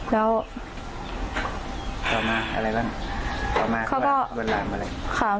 แล้ว